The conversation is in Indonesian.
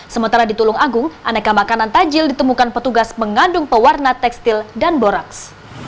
sementara di tulung agung aneka makanan tajil ditemukan petugas mengandung pewarna tekstil dan boraks